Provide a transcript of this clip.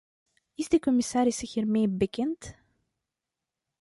Is de commissaris hiermee bekend?